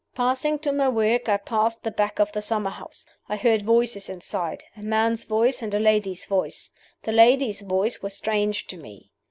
"Passing to my work, I passed the back of the summer house. I heard voices inside a man's voice and a lady's voice. The lady's voice was strange to me.